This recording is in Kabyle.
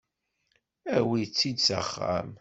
Awit-tt-id s axxam.